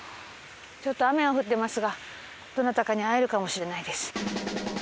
ちょっと雨が降ってますがどなたかに会えるかもしれないです。